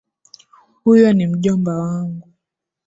Huyo ni mjomba wangu